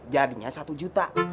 jadinya satu juta